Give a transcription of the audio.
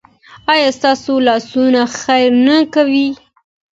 ایا ستاسو لاسونه خیر نه کوي؟